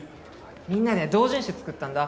みんなで同人誌作ったんだ。